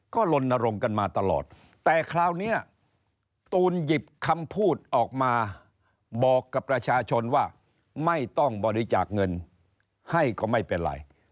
ก็ลนรงค์กันมาตลอดแต่คราวนี้ตูนหยิบคำพูดออกมาบอกกับประชาชนว่าไม่ต้องบริจาคเงินให้ก็ไม่เป็นไร